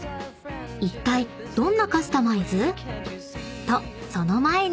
［いったいどんなカスタマイズ？とその前に］